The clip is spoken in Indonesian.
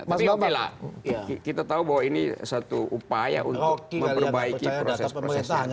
tapi kita tahu bahwa ini satu upaya untuk memperbaiki proses proses